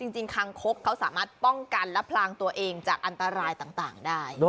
คางคกเขาสามารถป้องกันและพลางตัวเองจากอันตรายต่างได้